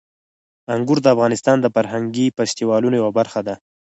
انګور د افغانستان د فرهنګي فستیوالونو یوه برخه ده.